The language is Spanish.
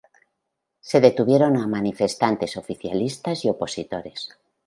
Se detuvieron a manifestantes oficialistas y opositores.